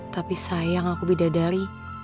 tapi sayang aku beda dari